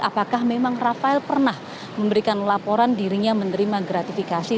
apakah memang rafael pernah memberikan laporan dirinya menerima gratifikasi